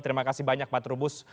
terima kasih banyak pak trubus